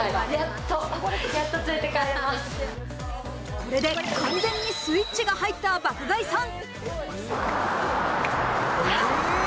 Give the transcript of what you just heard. これで完全にスイッチが入った爆買いさん。